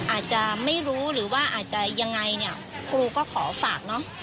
อาจจะไม่รู้หรือว่าอาจจะยังไงเนี่ยครูก็ขอฝากเนอะ